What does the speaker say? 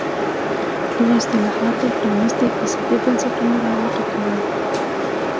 دغو اصلاحاتو پرانېستي اقتصادي بنسټونه را وټوکول.